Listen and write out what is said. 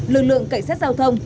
lực lượng cảnh sát giao thông